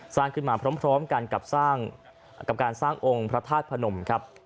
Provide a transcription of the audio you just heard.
สร้างขึ้นมาพร้อมกันกับสร้างกับการสร้างองค์พระธาตุพนมครับ